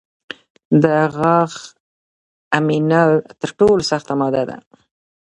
د غاښ امینل تر ټولو سخته ماده ده.